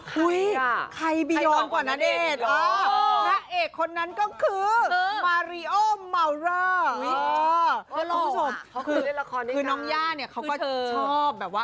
คือน้องยายเนี่ยเค้าชอบแบบว่า